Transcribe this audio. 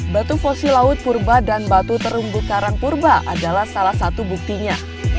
batu fosil laut purba dan batu terumbu karang purba adalah salah satu buktinya